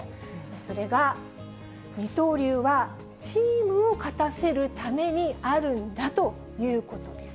それが二刀流はチームを勝たせるためにあるんだということです。